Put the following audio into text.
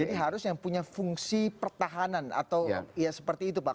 jadi harus yang punya fungsi pertahanan atau ya seperti itu pak